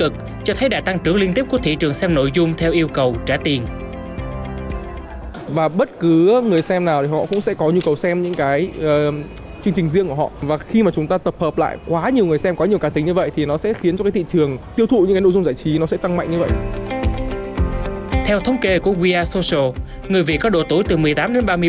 trong kỳ của we are social người việt có độ tuổi từ một mươi tám đến ba mươi bốn